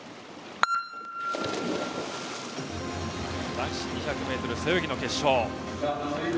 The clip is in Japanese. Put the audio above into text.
男子２００ｍ背泳ぎの決勝。